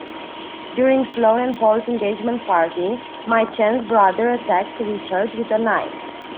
During Sloan and Paul's engagement party, Mai Chen's brother attacks Richard with a knife.